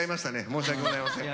申し訳ございません。